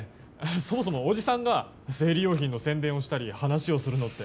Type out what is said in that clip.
そもそも、おじさんが生理用品の宣伝をしたり話をするのって。